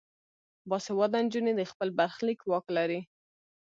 باسواده نجونې د خپل برخلیک واک لري.